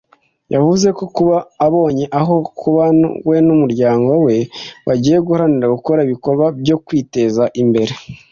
yavuze ko kuba abonye aho kuba we n’umuryango we bagiye guharanira gukora ibikorwa byo kwiteza imbere